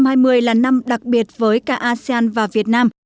năm hai nghìn hai mươi là năm đặc biệt với cả nước asean và việt nam